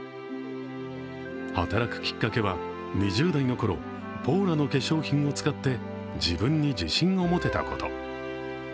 働くきっかけは、２０代の頃、ポーラの化粧品を使って自分に自信を持てたこと。